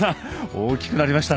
大きくなりましたね